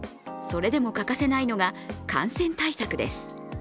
それでも欠かせないのが感染対策です。